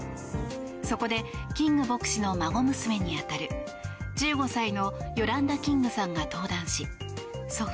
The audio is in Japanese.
そこでキング牧師の孫娘に当たる１５歳のヨランダ・キングさんが登壇し祖父